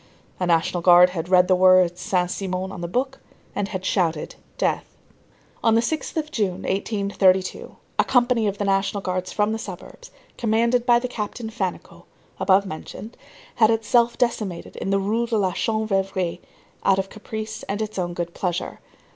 A National Guard had read the words Saint Simon on the book, and had shouted: "Death!" On the 6th of June, 1832, a company of the National Guards from the suburbs, commanded by the Captain Fannicot, above mentioned, had itself decimated in the Rue de la Chanvrerie out of caprice and its own good pleasure.